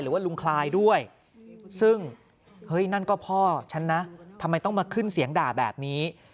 ลุงคลายด้วยซึ่งเฮ้ยนั่นก็พ่อฉันนะทำไมต้องมาขึ้นเสียงด่าแบบนี้